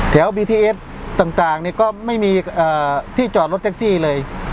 แถวบีทีเอสต่างต่างนี่ก็ไม่มีเอ่อที่จอดรถแท็กซี่เลย